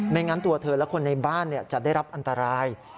งั้นตัวเธอและคนในบ้านจะได้รับอันตราย